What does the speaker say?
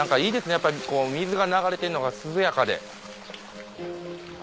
やっぱり水が流れてるのが涼やかで。